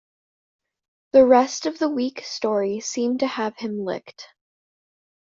The rest of the weak story seemed to have him licked.